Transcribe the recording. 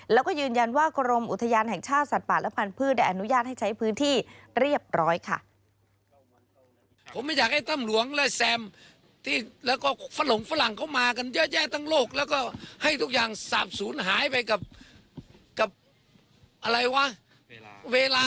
แล้วก็ยืนยันว่ากรมอุทยานแห่งชาติสัตว์ป่าและพันธุ์ได้อนุญาตให้ใช้พื้นที่เรียบร้อยค่ะ